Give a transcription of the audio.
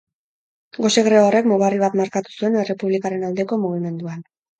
Gose greba horrek mugarri bat markatu zuen errepublikaren aldeko mugimenduan.